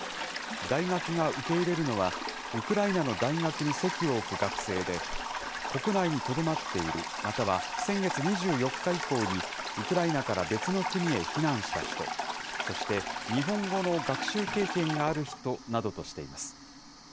大学が受け入れるのは、ウクライナの大学に籍を置く学生で、国内にとどまっている、または先月２４日以降に、ウクライナから別の国へ避難した人、そして、日本語の学習経験がある人などとしています。